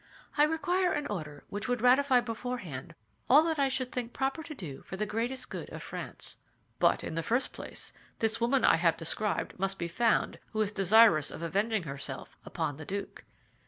"I require an order which would ratify beforehand all that I should think proper to do for the greatest good of France." "But in the first place, this woman I have described must be found who is desirous of avenging herself upon the duke."